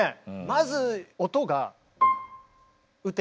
まず音が。